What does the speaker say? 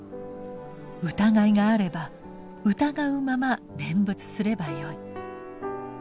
疑いがあれば疑うまま念仏すればよい。